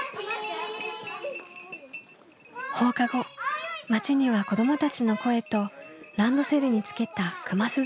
放課後町には子どもたちの声とランドセルにつけた熊鈴の音色が響きます。